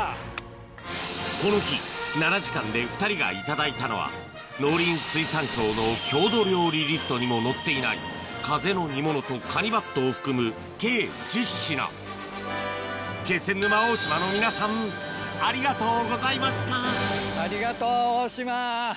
この日７時間で２人がいただいたのは農林水産省の郷土料理リストにも載っていないカゼの煮物とカニばっとを含む計１０品気仙沼大島の皆さんありがとうございましたありがとう大島。